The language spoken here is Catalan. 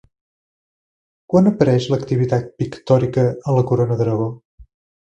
Quan apareix l'activitat pictòrica a la Corona d'Aragó?